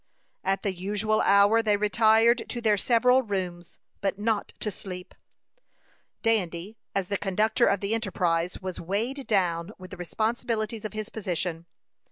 At the usual hour they retired to their several rooms, but not to sleep. Dandy, as the conductor of the enterprise, was weighed down with the responsibilities of his position.